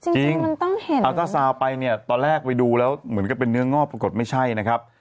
จริงเอาถ้าซาวไปเนี่ยตอนแรกไปดูแล้วเหมือนกับเป็นเนื้องอกปรากฏไม่ใช่นะครับ